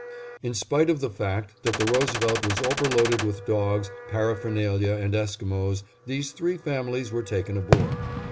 In spite of the fact that the Roosevelt was overloaded with dogs, paraphernalia, and Esquimos, these three families were taken aboard.